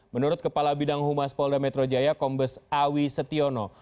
menurut kepala bidang humas polda metro jaya kombes awi setiono